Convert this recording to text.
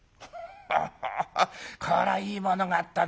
ハハハハこれはいいものがあったね。